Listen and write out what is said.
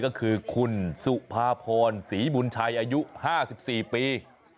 ก็คือคุณสุภาพรศรีบุญชัยอายุ๕๔ปี